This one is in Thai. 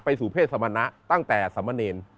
สู่เพศสมณะตั้งแต่สมเนร